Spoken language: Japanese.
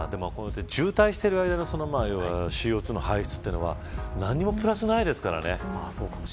渋滞している間のＣＯ２の排出は何もプラスがないですからね。